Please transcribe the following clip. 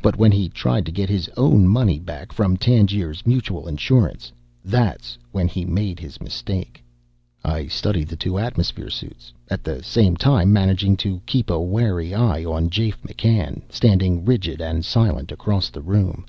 But when he tried to get his own money back from Tangiers Mutual Insurance; that's when he made his mistake. I studied the two atmosphere suits, at the same time managing to keep a wary eye on Jafe McCann, standing rigid and silent across the room.